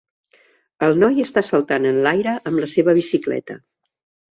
El noi està saltant en l'aire amb la seva bicicleta.